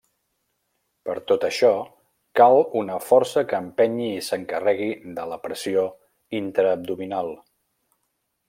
Per tot això, cal una força que empenyi i s'encarregui de la pressió intraabdominal.